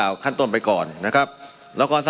มันมีมาต่อเนื่องมีเหตุการณ์ที่ไม่เคยเกิดขึ้น